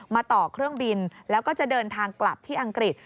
ต่อเครื่องบินแล้วก็จะเดินทางกลับที่อังกฤษ